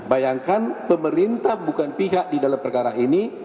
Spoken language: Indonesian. bayangkan pemerintah bukan pihak di dalam perkara ini